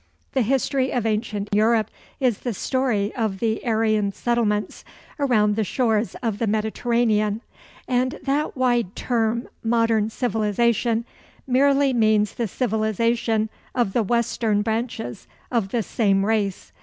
The history of ancient Europe is the story of the Aryan settlements around the shores of the Mediterranean; and that wide term, modern civilization, merely means the civilization of the western branches of the same race.